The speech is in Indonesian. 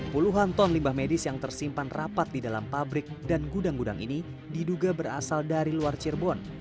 puluhan ton limbah medis yang tersimpan rapat di dalam pabrik dan gudang gudang ini diduga berasal dari luar cirebon